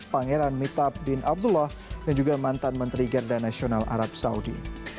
pangeran mitab bin abdullah dan juga mantan menteri garda nasional arab saudi